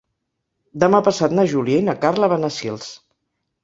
Demà passat na Júlia i na Carla van a Sils.